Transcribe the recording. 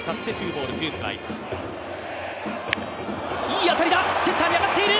いい当たりだセンターに上がっている！